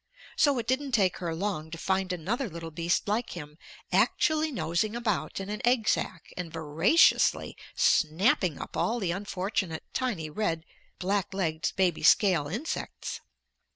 So it didn't take her long to find another little beast like him actually nosing about in an egg sac and voraciously snapping up all the unfortunate tiny, red, black legged baby scale insects.